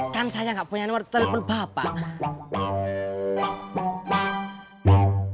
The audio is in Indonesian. kan saya gak punya nomer telepon bapak